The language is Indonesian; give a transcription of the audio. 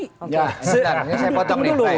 oke sebentar saya potong nih